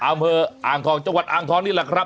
อำเภออ่างทองจังหวัดอ่างทองนี่แหละครับ